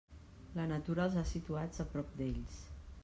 La natura els ha situats a prop d'ells.